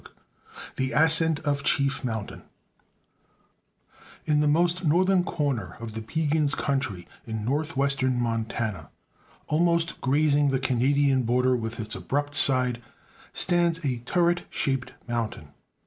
_ The Ascent of Chief Mountain In the most northern corner of the Piegans' country, in northwestern Montana, almost grazing the Canadian border with its abrupt side, stands a turret shaped mountain.